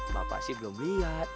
bapak sih belum lihat